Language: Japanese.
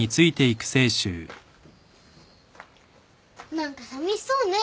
何かさみしそうね川藤。